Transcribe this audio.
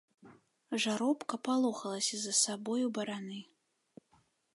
Жаробка палохалася за сабою бараны.